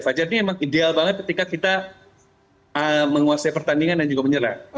fajar ini emang ideal banget ketika kita menguasai pertandingan dan juga menyerah